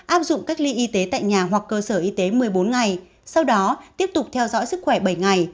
áp dụng cách ly y tế tại nhà hoặc cơ sở y tế một mươi bốn ngày sau đó tiếp tục theo dõi sức khỏe bảy ngày